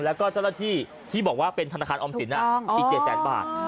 แล้วก็เจ้าหน้าที่ที่บอกว่าเป็นธนาคารออมสินอีก๗แสนบาท